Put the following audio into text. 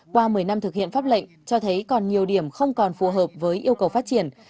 qua một mươi năm thực hiện pháp lệnh cho thấy còn nhiều điểm không còn phù hợp với yêu cầu phát triển